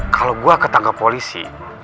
kalau gue ketangkep polisi